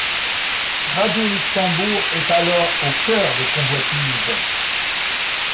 Radio Luxembourg est alors au cœur des convoitises.